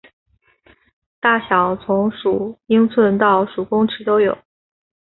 大小从数英寸到数公尺都有。